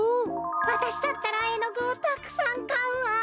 わたしだったらえのぐをたくさんかうわ！